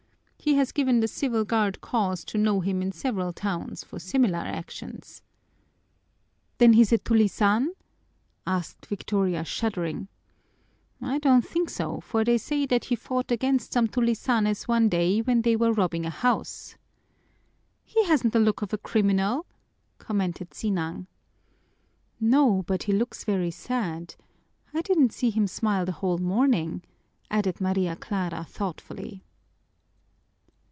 He has given the Civil Guard cause to know him in several towns for similar actions." "Then he's a tulisan?" asked Victoria shuddering. "I don't think so, for they say that he fought against some tulisanes one day when they were robbing a house." "He hasn't the look of a criminal," commented Sinang. "No, but he looks very sad. I didn't see him smile the whole morning," added Maria Clara thoughtfully.